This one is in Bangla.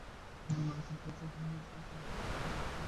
ললিতার কাছে সমস্ত বৃত্তান্ত শুনিয়া কিছুক্ষণ স্তব্ধ হইয়া রহিলেন।